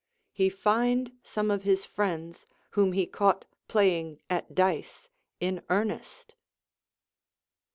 He lined some of his friends whom he caught playing at dice in earnest.